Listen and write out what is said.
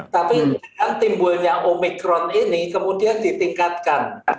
tapi dengan timbulnya omikron ini kemudian ditingkatkan